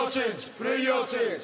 プレーヤーチェンジ。